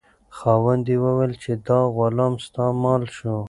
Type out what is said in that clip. خاوند یې وویل چې دا غلام ستا مال شو.